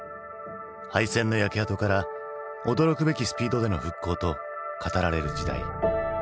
敗戦の焼け跡から驚くべきスピードでの復興と語られる時代。